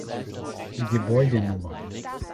Die Gebäude Nr.